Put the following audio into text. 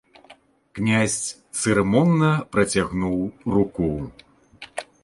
Князь цырымонна працягнуў руку.